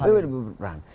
dpw yang lebih berperan